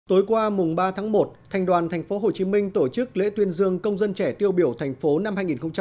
tối qua mùng ba tháng một thành đoàn tp hcm tổ chức lễ tuyên dương công dân trẻ tiêu biểu thành phố năm hai nghìn hai mươi